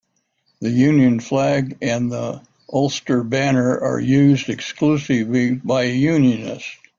The Union Flag and the Ulster Banner are used exclusively by unionists.